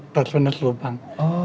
terus menerus lubang